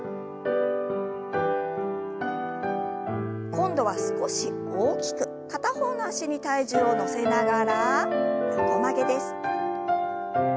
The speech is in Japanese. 今度は少し大きく片方の脚に体重を乗せながら横曲げです。